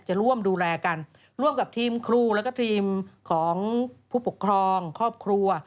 จะร่วมดูแลกันร่วมกับทีมครูแล้วก็ทีมของผู้ปกครองครอบครัว